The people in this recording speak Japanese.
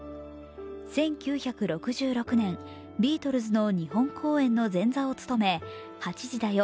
１９６６年、ビートルズの日本公演の前座を務め「８時だョ！